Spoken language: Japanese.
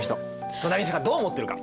隣の人がどう思ってるか？